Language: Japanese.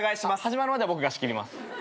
始まるまでは僕が仕切ります。